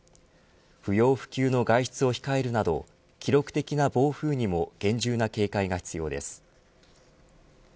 不要不急の外出を控えるなど記録的な暴風雨にも厳重な警戒が必要です。